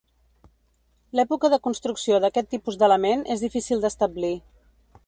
L'època de construcció d'aquest tipus d'element és difícil d'establir.